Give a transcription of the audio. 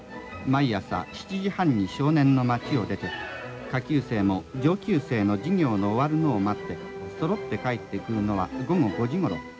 「毎朝７時半に少年の町を出て下級生も上級生の授業の終わるのを待ってそろって帰ってくるのは午後５時ごろ。